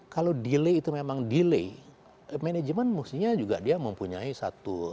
kalau delay itu memang delay management mestinya juga dia mempunyai satu